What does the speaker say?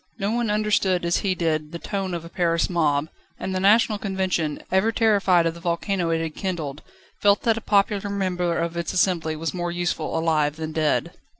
No one understood as he did the tone of a Paris mob; and the National Convention, ever terrified of the volcano it had kindled, felt that a popular member of its assembly was more useful alive than dead.